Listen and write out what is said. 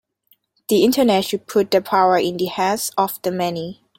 The Internet should put the power in the hands of the many